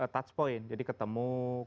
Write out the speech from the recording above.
touch point jadi ketemu